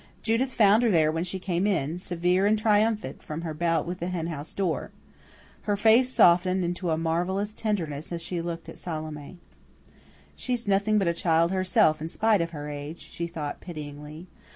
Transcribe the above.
Judith found her there when she came in, severe and triumphant, from her bout with the henhouse door. Her face softened into marvelous tenderness as she looked at Salome. "She's nothing but a child herself in spite of her age," she thought pityingly.